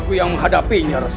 kau akan menghadapinya rasul